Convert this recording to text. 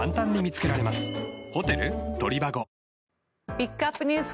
ピックアップＮＥＷＳ